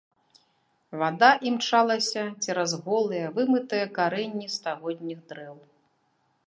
Вада імчалася цераз голыя, вымытыя карэнні стагодніх дрэў.